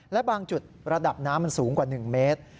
และบางจุดระดับน้ำมันสูงกว่า๑เมตร